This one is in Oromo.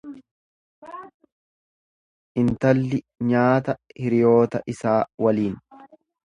Intalli nyaata hiriyoota isaa waliin.